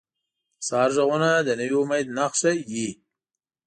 د سهار ږغونه د نوي امید نښه وي.